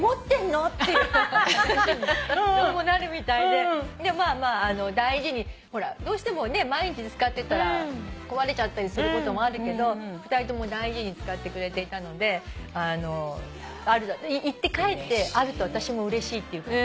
でまあ大事にほらどうしても毎日使ってたら壊れちゃったりすることもあるけど２人とも大事に使ってくれていたので行って帰ってあると私もうれしいっていうか。